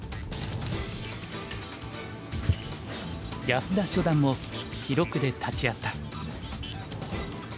安田初段も記録で立ち会った。